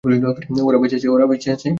ওরা বেঁচে আছে।